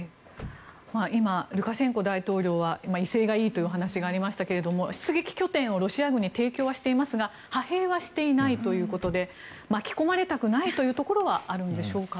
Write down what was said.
今、ルカシェンコ大統領は威勢がいいというお話がありましたが出撃拠点をロシア軍に提供はしていますが派兵はしていないということで巻き込まれたくないというところはあるのでしょうか。